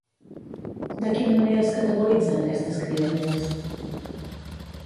De quina manera es categoritzen aquestes criatures?